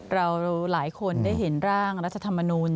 เราหลายคนได้เห็นร่างรัฐธรรมนูล